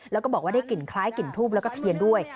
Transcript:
แล้วก็บอกว่าได้กลิ่นคล้ายกลิ่นทูบแล้วก็เทียนด้วย